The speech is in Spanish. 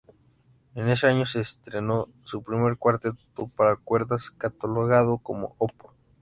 En ese año se estrenó su primer cuarteto para cuerdas catalogado como Op.